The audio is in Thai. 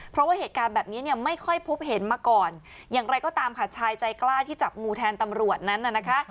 เพราะว่าเหตุการณ์แบบนี้เนี่ยไม่ค่อยพบเห็นมาก่อนอย่างไรก็ตามค่ะชายใจกล้าที่จับงูแทนตำรวจนั้นน่ะนะคะ